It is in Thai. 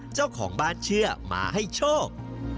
เจ้าของบ้านเชื่อมาให้โชค